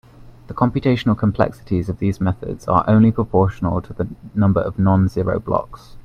The computational complexities of these methods are only proportional to the number of non-zero blocks.